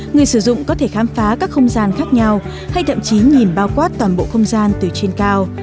người sử dụng có thể khám phá các không gian khác nhau hay thậm chí nhìn bao quát toàn bộ không gian từ trên cao